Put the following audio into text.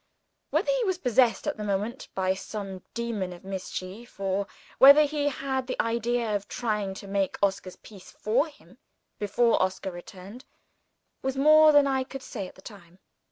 Whether he was possessed at the moment by some demon of mischief; or whether he had the idea of trying to make Oscar's peace for him, before Oscar returned was more than I could say at the time.